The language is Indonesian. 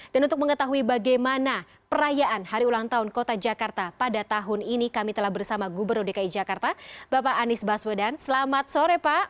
dan untuk mengetahui bagaimana perayaan hari ulang tahun kota jakarta pada tahun ini kami telah bersama gubernur dki jakarta bapak anies baswedan selamat sore pak